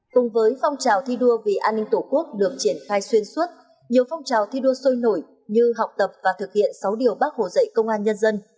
cùng với phong trào thi đua vì an ninh tổ quốc được triển khai xuyên suốt nhiều phong trào thi đua sôi nổi như học tập và thực hiện sáu điều bác hồ dạy công an nhân dân